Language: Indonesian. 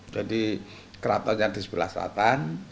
jadi keratonnya di sebelah serataan